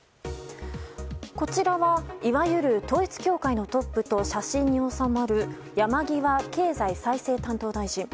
こちらはいわゆる統一教会のトップと写真に収まる山際経済再生担当大臣。